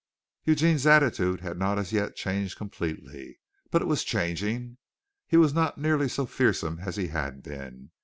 Eugene's attitude had not as yet changed completely, but it was changing. He was not nearly so fearsome as he had been.